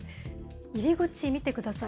入り口見てください。